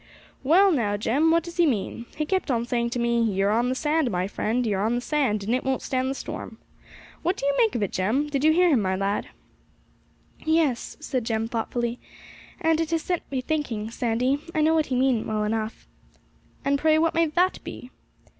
'Well now, Jem, what does he mean? He kept on saying to me, "You're on the sand, my friend; you're on the sand, and it won't stand the storm!" What do you make of it, Jem? did you hear him, my lad?' 'Yes,' said Jem thoughtfully; 'and it has set me thinking, Sandy; I know what he meant well enough.' 'And pray what may that be?'